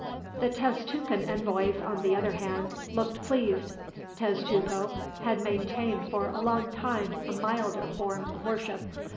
The Tezcucan envoys, on the other hand, looked pleased. Tezcuco had maintained for a long time a milder form of worship.